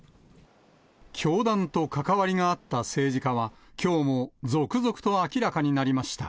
教団と関わりがあった政治家は、きょうも続々と明らかになりました。